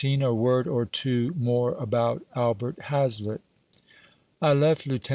A W0KD OK TWO MOllE ABOUT ALBERT I1AZLETT. I left Lieut.